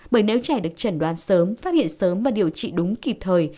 bởi nếu trẻ được trần đoan sớm phát hiện sớm và điều trị đúng kịp thời